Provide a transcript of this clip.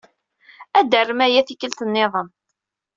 Ad tarem aya tikkelt niḍen.